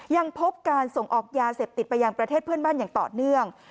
ยังพบการส่งออกยาเสพติดไปยังประเทศเพื่อนบ้านอย่างต่อเนื่อง